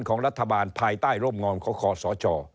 ของรัฐบาลภายใต้ร่มงอนของคอสช